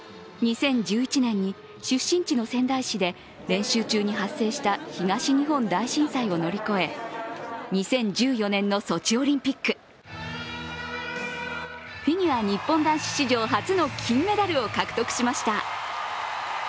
２０１１年に出身地の仙台市で練習中に発生した東日本大震災を乗り越え、２０１４年のソチオリンピックフィギュア日本男子史上初の金メダルを獲得しました。